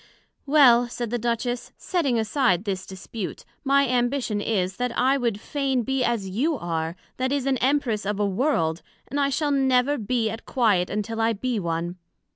Well, said the Duchess, setting aside this dispute, my Ambition is, That I would fain be as you are, that is, an Empress of a World, and I shall never be at quiet until I be one.